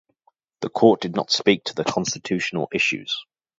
The court did not speak to the constitutional issues.